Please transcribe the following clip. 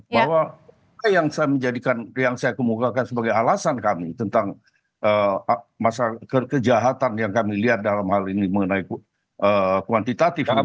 bahwa yang menjadikan yang saya kemukakan sebagai alasan kami tentang kejahatan yang kami lihat dalam hal ini mengenai kuantitatif